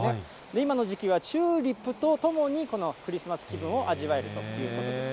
今の時期はチューリップとともにこのクリスマス気分を味わえるということです。